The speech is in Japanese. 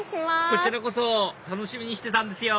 こちらこそ楽しみにしてたんですよ！